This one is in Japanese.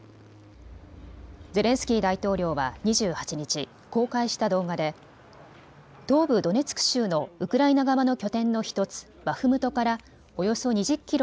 ゼレンスキー大統領は２８日、公開した動画で東部ドネツク州のウクライナ側の拠点の１つ、バフムトからおよそ２０キロ